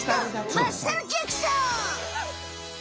マッサル・ジャクソン！